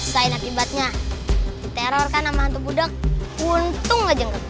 relied tak tiba tiba teror kan sama hantu budok untung nggak jenggep